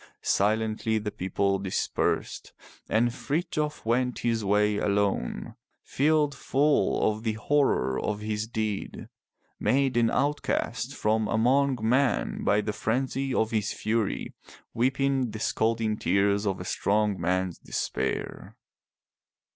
Silently the people dispersed, and Frithjof went his way alone, filled full of the horror of his deed, made an outcast from among men by the frenzy of his fury, weeping the scalding tears of a strong man's despair.